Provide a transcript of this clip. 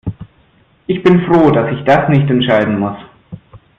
Ich bin froh, dass ich das nicht entscheiden muss.